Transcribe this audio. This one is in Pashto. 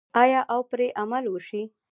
آیا او پرې عمل وشي؟